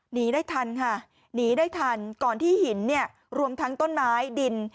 หนีได้ทันค่ะหนีได้ทันก่อนที่หินเนี่ยรวมทั้งต้นไม้ดิน